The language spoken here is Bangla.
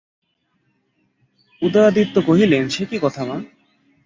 উদয়াদিত্য কহিলেন, সে কী কথা মা।